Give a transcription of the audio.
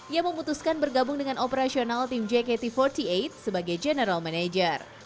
ia memutuskan bergabung dengan operasional tim jkt empat puluh delapan sebagai general manager